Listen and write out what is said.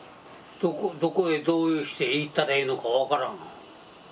どこどこへどうして行ったらええのか分からん。